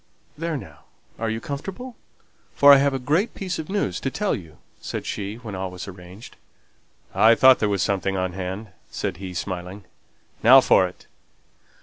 "There, now! are you comfortable? for I have a great piece of news to tell you!" said she, when all was arranged. "I thought there was something on hand," said he, smiling. "Now for it!"